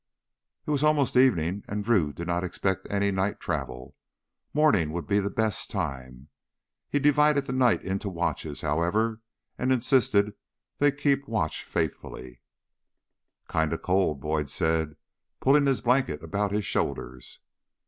It was almost evening, and Drew did not expect any night travel. Morning would be the best time. He divided the night into watches, however, and insisted they keep watch faithfully. "Kinda cold," Boyd said, pulling his blanket about his shoulders.